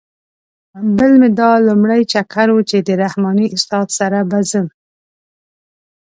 بل مې دا لومړی چکر و چې د رحماني استاد سره به ځم.